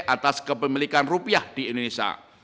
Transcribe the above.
atas kepemilikan rupiah di indonesia